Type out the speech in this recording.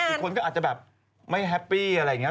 อีกคนก็อาจจะแบบไม่แฮปปี้อะไรอย่างนี้